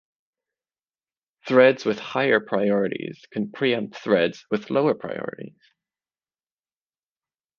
Threads with higher priorities can preempt threads with lower priorities.